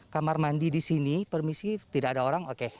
kamar mandi di sini permisi tidak ada orang oke